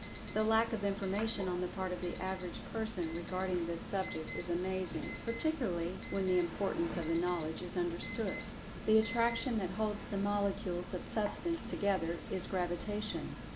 The lack of information on the part of the average person regarding this subject is amazing, particu[Pg 138]larly when the importance of the knowledge is understood. The attraction that holds the molecules of Substance together is Gravitation.